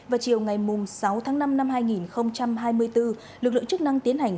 vào chiều ngày sáu tháng năm năm hai nghìn hai mươi bốn lực lượng chức năng tiến hành